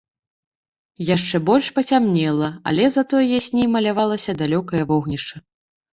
Яшчэ больш пацямнела, але затое ясней малявалася далёкае вогнішча.